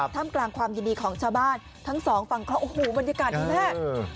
ทำกลางความยินดีของชาวบ้านทั้งสองฝั่งเขาโอ้โหบรรยากาศดีมาก